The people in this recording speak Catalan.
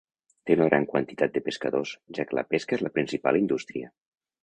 Té una gran quantitat de pescadors, ja que la pesca és la principal indústria.